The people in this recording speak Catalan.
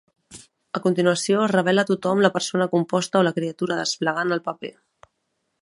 A continuació, es revela a tothom la persona composta o la criatura desplegant el paper.